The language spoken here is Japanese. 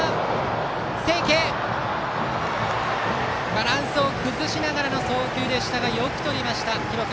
バランスを崩しながらの送球よく取りました、清家。